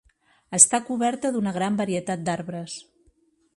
Està coberta d'una gran varietat d'arbres.